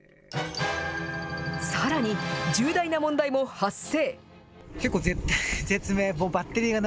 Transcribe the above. さらに、重大な問題も発生。